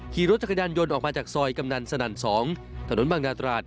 ขี่รถจักรยานยนต์ออกมาจากซอยกำนันสนั่น๒ถนนบางนาตราด